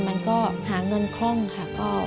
มันก็หาเงินคล่องค่ะ